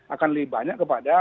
akan lebih banyak kepada